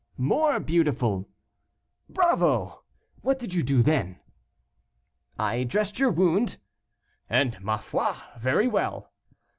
"More beautiful." "Bravo! what did you do then?" "I dressed your wound." "And, ma foi! very well."